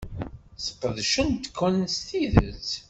Sqedcent-ken s tidet.